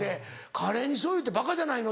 「カレーに醤油ってバカじゃないの？